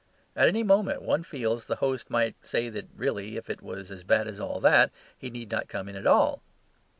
At any moment, one feels, the host might say that really, if it was as bad as that, he need not come in at all.